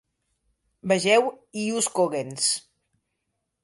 Vegeu "ius cogens".